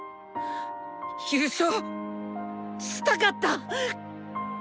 優勝したかった！